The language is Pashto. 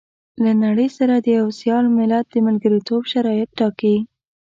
له نړۍ سره د يوه سيال ملت د ملګرتوب شرايط ټاکي.